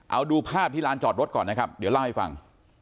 เอาดูภาพที่ร้านจอดรถก่อนนะครับเดี๋ยวเล่าให้ฟัง